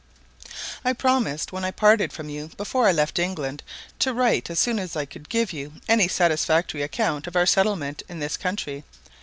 I PROMISED when I parted from you before I left England to write as soon as I could give you any satisfactory account of our settlement in this country.